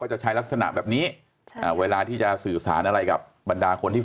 จะใช้ลักษณะแบบนี้ใช่อ่าเวลาที่จะสื่อสารอะไรกับบรรดาคนที่